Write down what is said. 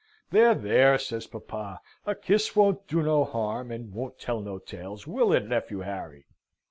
"There, there!" says papa. "A kiss won't do no harm, and won't tell no tales: will it, nephew Harry?"